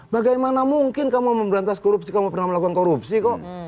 bagaimana mungkin kamu memberantas korupsi kamu pernah melakukan korupsi kok